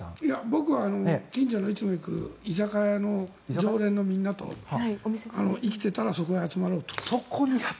僕は近所の、いつも行く居酒屋の常連のみんなと生きていたらそこに集まろうと。